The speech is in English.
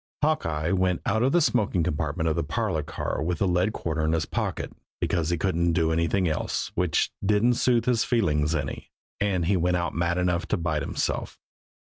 Hawkeye went out of the smoking compartment of the parlor car with the lead quarter in his pocket because he couldn't do anything else which didn't soothe his feelings any and he went out mad enough to bite himself.